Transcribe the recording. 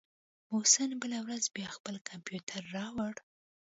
محسن بله ورځ بيا خپل کمپيوټر راوړ.